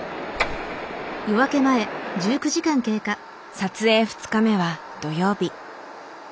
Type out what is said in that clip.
撮影２日目は土曜日。